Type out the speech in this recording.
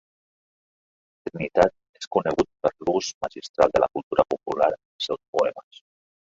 Trinitat és conegut per l'ús magistral de la cultura popular en els seus poemes.